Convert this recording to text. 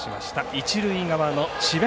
一塁側の智弁